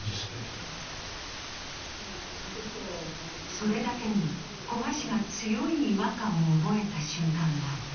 それだけに、古賀氏が強い違和感を覚えた瞬間があった。